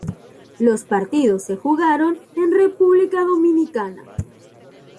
Los partidos se jugaron en República Dominicana.